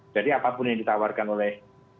jadi apapun yang ditawarkan oleh